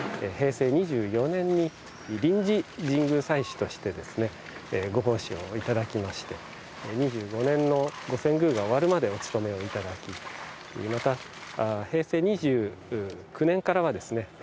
平成２４年に臨時神宮祭主としてですねご奉仕をいただきまして２５年のご遷宮が終わるまでお務めをいただきまた平成２９年からはですね